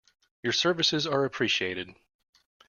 Your services are appreciated.